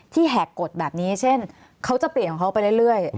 แหกกฎแบบนี้เช่นเขาจะเปลี่ยนของเขาไปเรื่อย